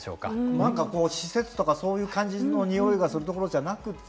なんかこう施設とかそういう感じのにおいがするところじゃなくて。